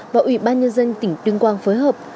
và ủy ban nhân dân tỉnh tuyên quang phối hợp